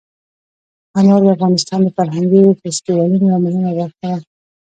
انار د افغانستان د فرهنګي فستیوالونو یوه مهمه برخه ده.